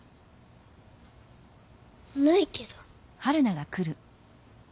ないけど。